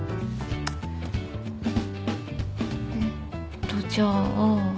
えっとじゃあ。